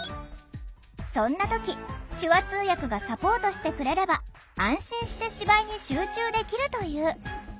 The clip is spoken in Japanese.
そんな時手話通訳がサポートしてくれれば安心して芝居に集中できるという。